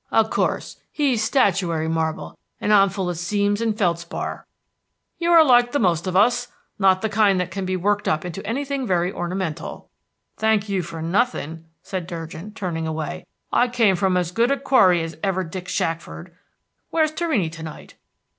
"Of course, he is statuary marble, and I'm full of seams and feldspar." "You are like the most of us, not the kind that can be worked up into anything very ornamental." "Thank you for nothing," said Durgin, turning away. "I came from as good a quarry as ever Dick Shackford. Where's Torrini to night?"